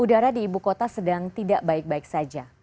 udara di ibu kota sedang tidak baik baik saja